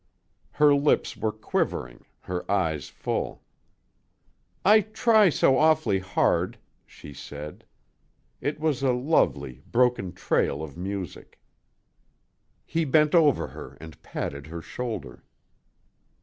Her lips were quivering, her eyes full. "I try so awful hard," she said. It was a lovely, broken trail of music. He bent over her and patted her shoulder.